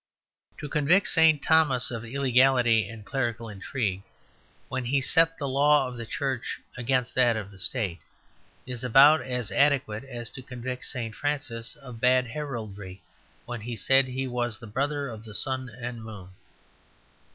To convict St. Thomas of illegality and clerical intrigue, when he set the law of the Church against that of the State, is about as adequate as to convict St. Francis of bad heraldry when he said he was the brother of the sun and moon.